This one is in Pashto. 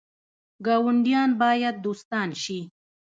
ګاونډیان باید دوستان شي